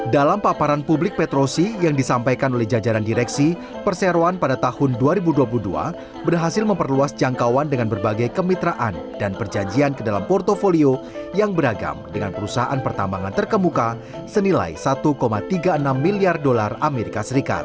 dalam paparan publik petrosi yang disampaikan oleh jajaran direksi perseroan pada tahun dua ribu dua puluh dua berhasil memperluas jangkauan dengan berbagai kemitraan dan perjanjian ke dalam portfolio yang beragam dengan perusahaan pertambangan terkemuka senilai satu tiga puluh enam miliar dolar as